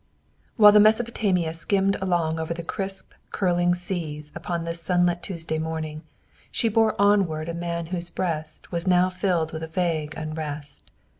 While the "Mesopotamia" skimmed along over the crisp, curling seas upon this sunlit Tuesday morning, she bore onward a man whose breast was now filled with a vague unrest.